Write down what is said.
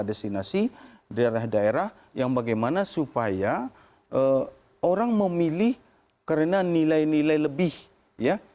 destinasi daerah daerah yang bagaimana supaya orang memilih karena nilai nilai lebih ya